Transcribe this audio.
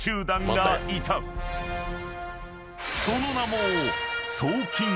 ［その名も］